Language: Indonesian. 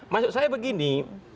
maksud saya begini